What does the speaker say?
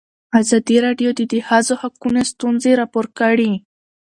ازادي راډیو د د ښځو حقونه ستونزې راپور کړي.